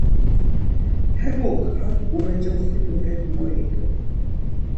Hemuk hak umecoxinu hek mo idu.